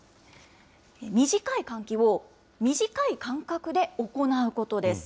短い換気を短い間隔で行うことです。